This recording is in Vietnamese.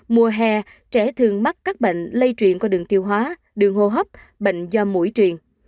mùa hè trẻ thường mắc các bệnh lây truyền qua đường tiêu hóa đường hô hấp bệnh do mũi truyền